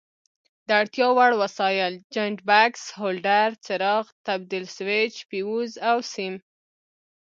د اړتیا وړ وسایل: جاینټ بکس، هولډر، څراغ، تبدیل سویچ، فیوز او سیم.